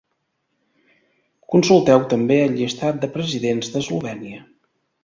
Consulteu també el llistat de presidents d"Eslovènia.